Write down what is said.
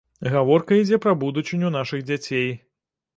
Гаворка ідзе пра будучыню нашых дзяцей.